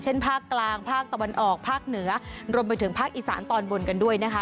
ภาคกลางภาคตะวันออกภาคเหนือรวมไปถึงภาคอีสานตอนบนกันด้วยนะคะ